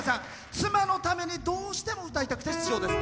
妻のためにどうしても歌いたくて出場です。